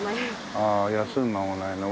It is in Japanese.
ああ休む間もないの。